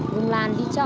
dùng làn đi chợ